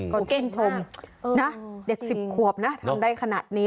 ก็ชื่นชมนะเด็ก๑๐ขวบนะทำได้ขนาดนี้